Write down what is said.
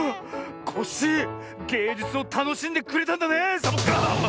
コッシーげいじゅつをたのしんでくれたんだねサボッカーン！